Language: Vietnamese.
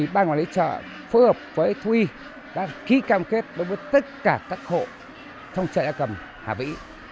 ban quản lý chợ phối hợp với thu y đã ký cam kết đối với tất cả các hộ trong chợ gia cầm hà vĩ